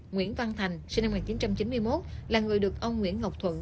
nguyễn văn thành sinh năm một nghìn chín trăm chín mươi một là người được ông nguyễn ngọc thuận